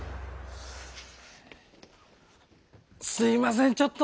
すいませんちょっと。